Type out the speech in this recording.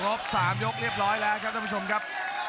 ครบ๓ยกเรียบร้อยแล้วครับท่านผู้ชมครับ